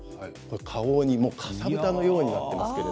顔に、かさぶたのようになっていますね。